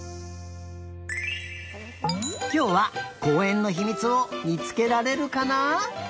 きょうはこうえんのひみつをみつけられるかな？